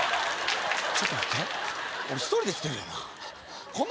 ちょっと待て１人で来てるよな